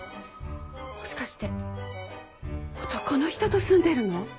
もしかして男の人と住んでるの？